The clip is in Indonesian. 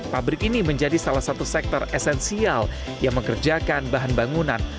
pabrik ini menjadi salah satu sektor esensial yang mengerjakan bahan bangunan